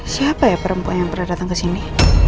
siapa ya perempuan yang pernah datang kesini